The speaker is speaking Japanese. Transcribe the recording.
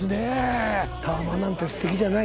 タワマンなんてすてきじゃない。